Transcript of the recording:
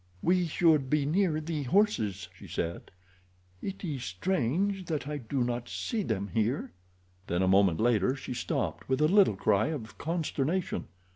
"We should be near the horses," she said. "It is strange that I do not see them here." Then a moment later she stopped, with a little cry of consternation.